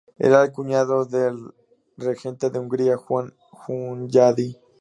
Era el cuñado del regente de Hungría Juan Hunyadi.